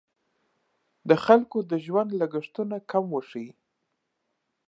د خلکو د ژوند لګښتونه کم وښیي.